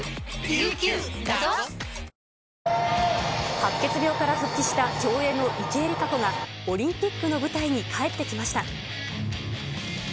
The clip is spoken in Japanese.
白血病から復帰した競泳の池江璃花子がオリンピックの舞台に帰ってきました。